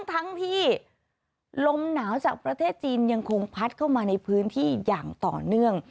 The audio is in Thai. ทั้งที่ลมหนาวจากประเทศจีนยังคงพัดเข้ามาในพื้นที่อย่างต่อเนื่อง